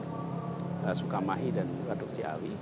sekarang di kabupaten sukamahi dan waduk ciawi